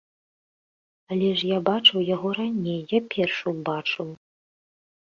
Але я ж бачыў яго раней, я першы ўбачыў.